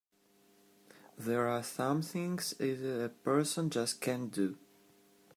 There are some things a person just can't do!